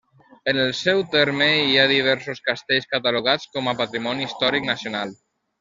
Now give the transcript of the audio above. En el seu terme hi ha diversos castells catalogats com a patrimoni històric nacional.